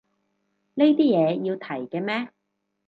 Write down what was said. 呢啲嘢要提嘅咩